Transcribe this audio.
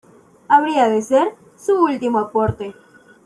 Habría de ser su último aporte.